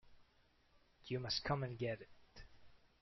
You must come and get it.